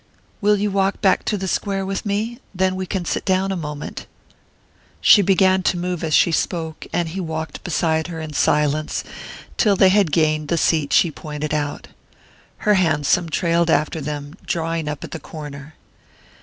"Will you walk back to the square with me? Then we can sit down a moment." She began to move as she spoke, and he walked beside her in silence till they had gained the seat she pointed out. Her hansom trailed after them, drawing up at the corner.